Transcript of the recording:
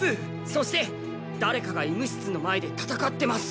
そしてだれかが医務室の前でたたかってます。